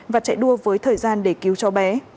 và chạy đua với thời gian để cứu cho bé